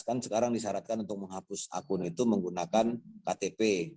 kan sekarang disyaratkan untuk menghapus akun itu menggunakan ktp